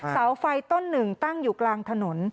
เสาไฟต้นหนึ่งตั้งอยู่กลางถนน